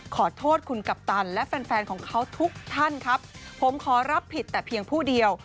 ขอโทษคุณกัปตันและแฟนแฟนของเขาทุกท่านครับผมขอรับผิดแต่เพียงผู้เดียว